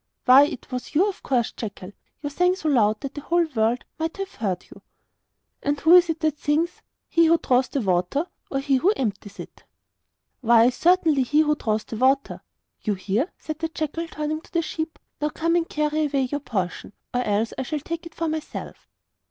'Why, it was you, of course, jackal! You sang so loud that the whole world might have heard you!' 'And who it is that sings he who draws the water, or he who empties it?' 'Why, certainly he who draws the water!' 'You hear?' said the jackal, turning to the sheep. 'Now come and carry away your own portion, or else I shall take it for myself.